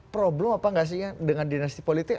problem apa nggak sih dengan dinasti politik